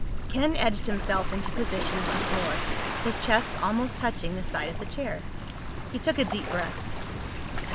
Ken edged himself into position once more, his chest almost touching the side of the chair. He took a deep breath.